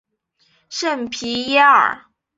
圣皮耶尔。